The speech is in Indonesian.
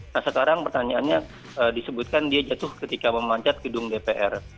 nah sekarang pertanyaannya disebutkan dia jatuh ketika memancat gedung dpr